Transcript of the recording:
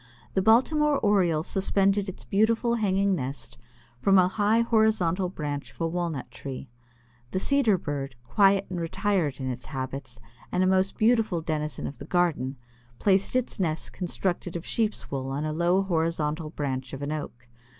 The Baltimore Oriole suspended its beautiful hanging nest from a high horizontal branch of a Walnut tree. The Cedar Bird, quiet and retired in its habits, and a most beautiful denizen of the garden, placed its nest constructed of sheep's wool on a low horizontal branch of an Oak.